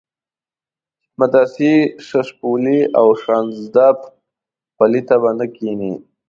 چې د مدرسې ششپولي او شانزدا پلي ته به نه کېنې.